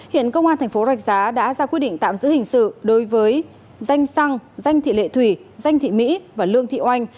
hiện công an thành phố rạch giá đã ra quyết định tạm giữ hình sự đối với danh xăng danh thị lệ thủy danh thị mỹ và lương thị oanh